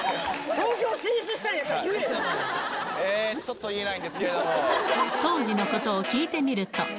東京進出したいんやっちょっと言えないんですけど当時のことを聞いてみると。